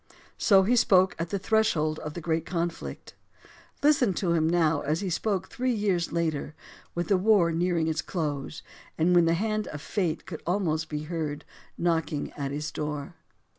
So he spoke at the threshold of the great conflict. Listen to him now as he spoke three years later, with the war nearing its close and when the hand of fate could almost be heard knocking at his door.